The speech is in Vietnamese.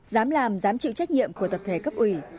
dám làm dám chịu trách nhiệm của tập thể cấp ủy